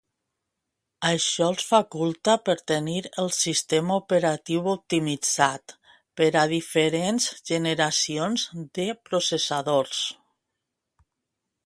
Això els faculta per tenir el sistema operatiu optimitzat per a diferents generacions de processadors.